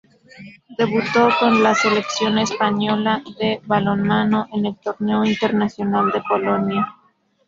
Debutó con la Selección española de balonmano en el Torneo Internacional de Polonia.